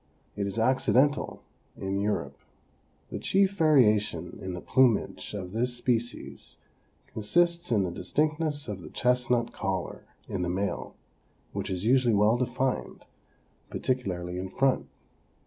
It is accidental in Europe. The chief variation in the plumage of this species consists in the distinctness of the chestnut collar in the male, which is usually well defined, particularly in front.